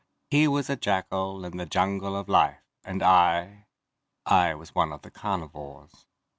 He was a jackal in the jungle of life, and I ... I was one of the carnivores.